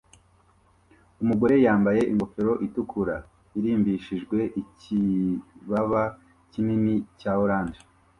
Umugore yambaye ingofero itukura irimbishijwe ikibaba kinini cya orange